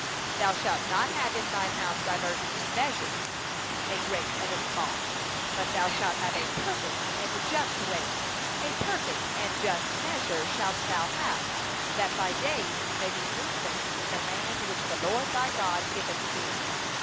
14Thou shalt not have in thy house diverse measures, a great and a small. 15A perfect and just weight shalt thou have; a perfect and just measure shalt thou have; that thy days may be long upon the land which the LORD thy God giveth thee.